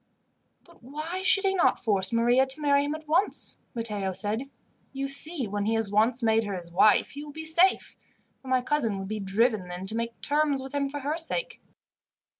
"But why should he not force Maria to marry him at once?" Matteo said. "You see, when he has once made her his wife he will be safe, for my cousin would be driven then to make terms with him for her sake."